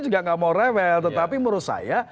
juga nggak mau rewel tetapi menurut saya